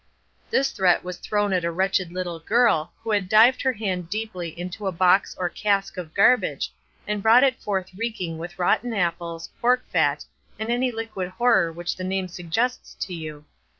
This threat was thrown at a wretched little girl, who had dived her hand deeply into a box or cask of garbage, and brought it forth reeking with rotten apples, pork fat, and any liquid horror which the name suggests to you.